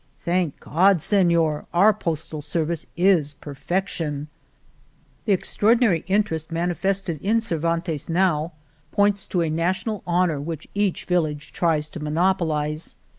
"Thank God ! Senior, our postal ser vice is perfection !" The extraordinary interest manifested in Cervantes now points to a national honor 52 Argamasilla which each village tries to monopolize.